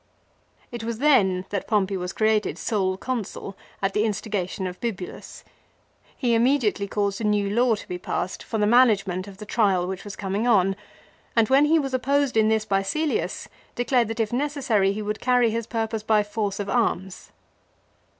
It was then that Pompey was created sole Consul at the instigation of Bibulus. He immediately caused a new law to be passed for the management of the trial which was coming on, and when he was opposed in this by Cselius declared that if necessary he would carry his purpose by force of arms.